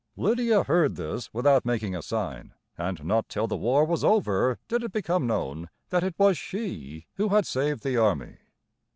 Lydia heard this without making a sign, and not till the war was over did it become known that it was she who had saved the army.